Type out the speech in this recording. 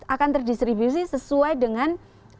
akan terdistribusi sesuai dengan